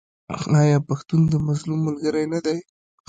آیا پښتون د مظلوم ملګری نه دی؟